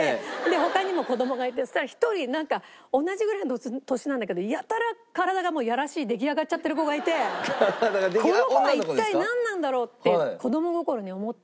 他にも子供がいてそしたら１人なんか同じぐらいの年なんだけどやたら体がもうやらしい出来上がっちゃってる子がいて「この子は一体なんなんだろう」って子供心に思って。